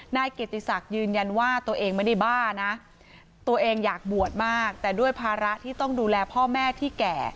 นายเกียรติศักดิ์ยืนยันว่าตัวเองไม่ได้บ้านะตัวเองอยากบวชมากแต่ด้วยภาระที่ต้องดูแลพ่อแม่ที่แก่